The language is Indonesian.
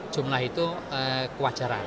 jumlah itu kewajaran